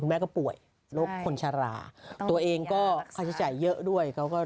คุณแม่ก็ป่วยลดขนชาราตัวเองก็ค่าใช้จ่ายเยอะด้วย